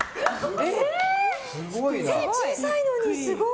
手小さいのにすごい。